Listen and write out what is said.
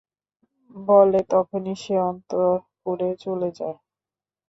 বলে তখনই সে অন্তঃপুরে চলে গেল।